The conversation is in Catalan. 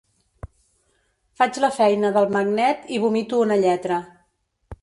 Faig la feina del magnet i vomito una lletra.